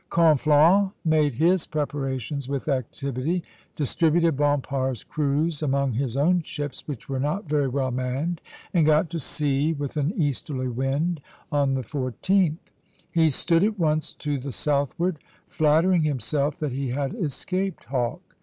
Conflans made his preparations with activity, distributed Bompart's crews among his own ships, which were not very well manned, and got to sea with an easterly wind on the 14th. He stood at once to the southward, flattering himself that he had escaped Hawke.